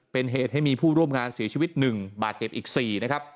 เป็นเหตุให้มีผู้ร่วมงานเสียชีวิต๑บาดเจ็บอีก๔นะครับ